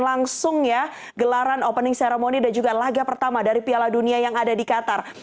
langsung ya gelaran opening ceremony dan juga laga pertama dari piala dunia yang ada di qatar